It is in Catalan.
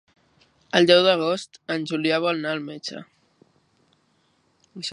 El deu d'agost en Julià vol anar al metge.